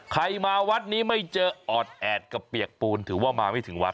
ใครมาวัดนี้ไม่เจอออดแอดกับเปียกปูนถือว่ามาไม่ถึงวัด